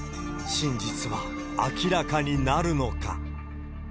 真実は明らかになるのか。